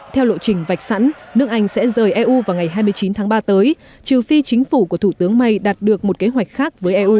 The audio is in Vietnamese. theo lộ trình vạch sẵn nước anh sẽ rời eu vào ngày hai mươi chín tháng ba tới trừ phi chính phủ của thủ tướng may đạt được một kế hoạch khác